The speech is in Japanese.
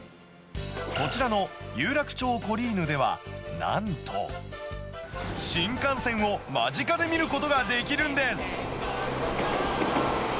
こちらの有楽町コリーヌでは、なんと、新幹線を間近で見ることができるんです。